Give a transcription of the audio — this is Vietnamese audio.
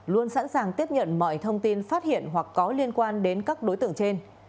luôn sẵn sàng tiếp nhận mọi thông tin phát hiện hoặc có liên quan đến các đối tượng trên